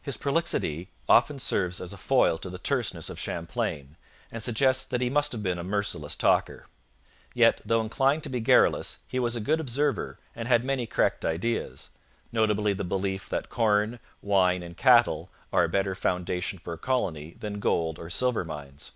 His prolixity often serves as a foil to the terseness of Champlain, and suggests that he must have been a merciless talker. Yet, though inclined to be garrulous, he was a good observer and had many correct ideas notably the belief that corn, wine, and cattle are a better foundation for a colony than gold or silver mines.